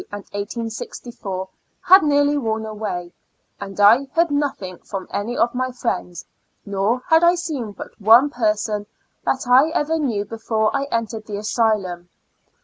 The winter of 1863 and 1864 had nearly worn away, and I heard nothing from any of my friends, nor had I seen but one per son that I ever knew before I entered the asylum.